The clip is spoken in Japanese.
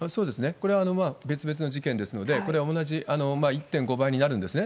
これは別々の事件ですので、これは同じ１．５倍になるんですね。